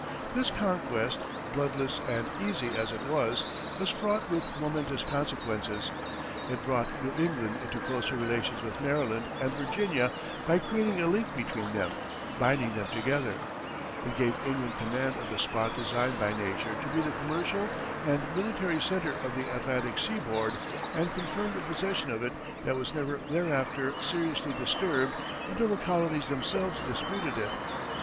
This conquest, bloodless and easy as it was, was fraught with momentous consequences. It brought New England into closer relations with Maryland and Virginia by creating a link between them, binding them together; it gave England command of the spot designed by nature to be the commercial and military centre of the Atlantic sea board, and confirmed a possession of it that was never thereafter seriously disturbed, until the colonies themselves disputed it.